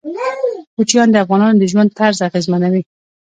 کوچیان د افغانانو د ژوند طرز اغېزمنوي.